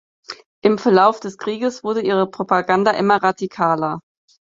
Im Verlauf des Krieges wurde ihre Propaganda immer radikaler.